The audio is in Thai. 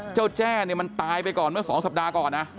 เจ้าแจ้มันตายไปก่อนเมื่อสองสัปดาห์ก่อนนะ